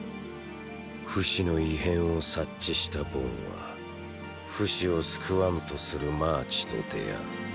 フシの異変を察知したボンはフシを救わんとするマーチと出会う。